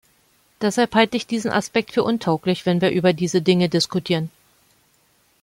Deshalb halte ich diesen Aspekt für untauglich, wenn wir über diese Dinge diskutieren.